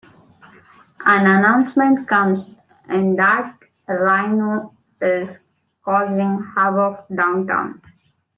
An announcement comes in that Rhino is causing havoc downtown.